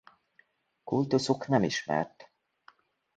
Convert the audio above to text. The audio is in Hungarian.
Kultuszuk nem ismert.